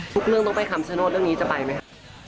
ทุกเรื่องต้องไปคำชโนธเรื่องนี้จะไปไหม